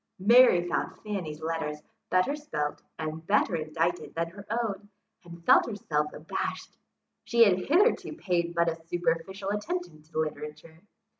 Mary found Fanny's letters better spelt and better indited than her own, and felt herself abashed. She had hitherto paid but a superficial attention to literature.